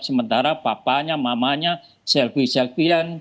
sementara papanya mamanya selfie selfie an